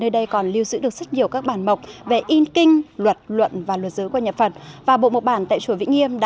đấy các anh chị thấy không